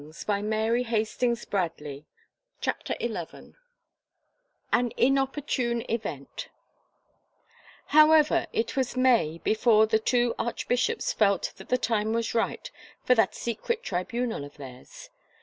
April — and it was March already 1 CHAPTER XI AN INOPPORTUNE EVENT QOWEVER, it was May, before the two arch bishops felt that the time was ripe for that secret tribunal of theirs.